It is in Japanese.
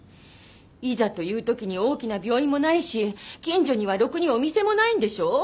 いざというときに大きな病院もないし近所にはろくにお店もないんでしょう？